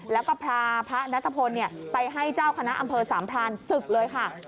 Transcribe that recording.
แล้วก็พาพระนัทพลไปให้เจ้าคณะอำเภอสามพรานศึกเลยค่ะ